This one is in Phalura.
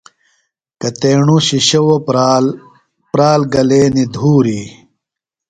کتِیݨوۡ شِشوؤ پرال، پرال گلینیۡ دُھوری